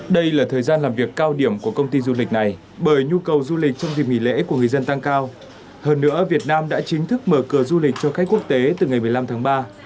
đây là thời gian làm việc cao điểm của công ty du lịch này bởi nhu cầu du lịch trong dịp nghỉ lễ của người dân tăng cao hơn nữa việt nam đã chính thức mở cửa du lịch cho khách quốc tế từ ngày một mươi năm tháng ba